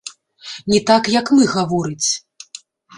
Не так, як мы гаворыць.